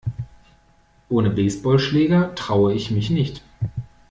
Ohne Baseballschläger traue ich mich nicht.